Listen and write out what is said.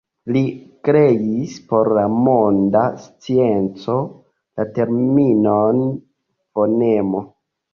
Li kreis por la monda scienco la terminon fonemo.